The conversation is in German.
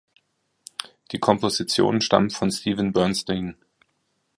Die Kompositionen stammen von Steven Bernstein.